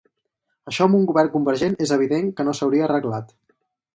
Això amb un govern convergent és evident que no s’hauria arreglat.